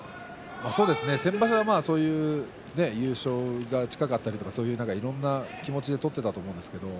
先場所、優勝が近かったりとかいろんな気持ちで取っていたと思います。